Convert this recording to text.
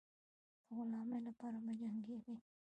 د غلامۍ لپاره مه جنګېږی.